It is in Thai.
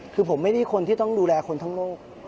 คือผมไม่ได้คนที่ต้องดูแลคนทั้งโลก